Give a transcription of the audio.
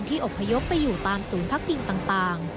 อบพยพไปอยู่ตามศูนย์พักพิงต่าง